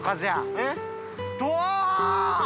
えっ？